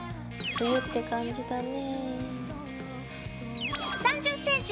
冬って感じだね。